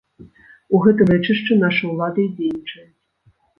У гэтым рэчышчы нашы ўлады і дзейнічаюць.